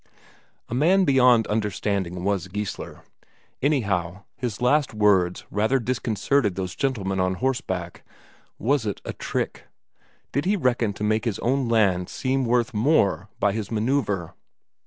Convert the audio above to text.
A man beyond understanding was Geissler. Anyhow, his last words rather disconcerted those gentlemen on horseback. Was it a trick? Did he reckon to make his own land seem worth more by this manoeuvre?